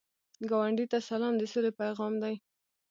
ګاونډي ته سلام، د سولې پیغام دی